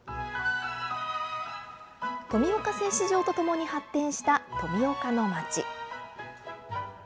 富岡製糸場とともに発展した富岡の街。